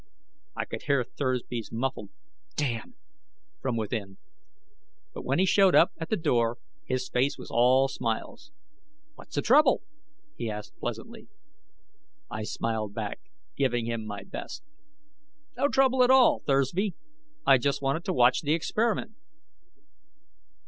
I could hear Thursby's muffled "Damn!" from within. But when he showed up at the door, his face was all smiles. "What's the trouble?" he asked pleasantly. I smiled back, giving him my best. "No trouble at all, Thursby. I just wanted to watch the experiment."